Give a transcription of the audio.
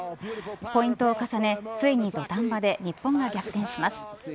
ポイントを重ね、ついに土壇場で日本が逆転します。